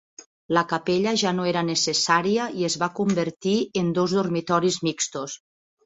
La capella ja no era necessària i es va convertir en dos dormitoris mixtos.